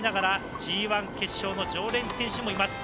Ｇ１決勝の常連選手もいます。